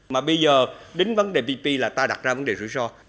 mà bây giờ đến vấn đề ppp là ta đặt ra vấn đề rủi ro